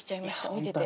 見てて。